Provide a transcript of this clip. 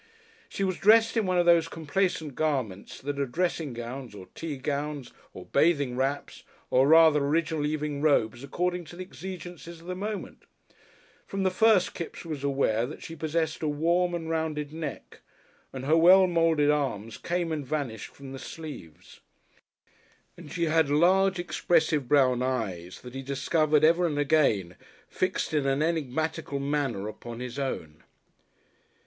She was dressed in one of those complaisant garments that are dressing gowns or tea gowns or bathing wraps or rather original evening robes according to the exigencies of the moment from the first Kipps was aware that she possessed a warm and rounded neck, and her well moulded arms came and vanished from the sleeves and she had large, expressive brown eyes that he discovered ever and again fixed in an enigmatical manner upon his own.